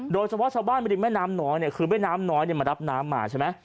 โดยเฉพาะชาวบ้านบริมแม่น้ำน้อยเนี่ยคือแม่น้ำน้อยมารับน้ำมาใช่ไหม